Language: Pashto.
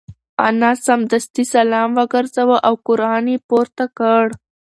انا سمدستي سلام وگرځاوه او قران یې پورته کړ.